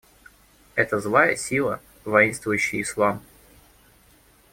Эта злая сила — воинствующий ислам.